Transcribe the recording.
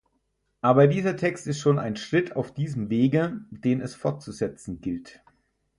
Aber dieser Text ist schon ein Schritt auf diesem Wege, den es fortzusetzen gilt.